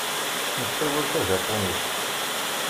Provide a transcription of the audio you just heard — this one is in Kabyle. Nessawal tajapunit.